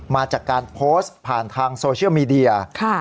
มาจากการโพสต์ผ่านทางโซเชียลมีเดีย